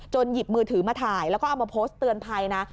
หยิบมือถือมาถ่ายแล้วก็เอามาโพสต์เตือนภัยนะ